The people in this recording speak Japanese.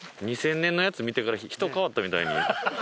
２０００年のやつ見てから人変わったみたいに。